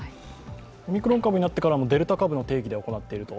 オミクロン株になってからも、デルタ株の定義で行っていると。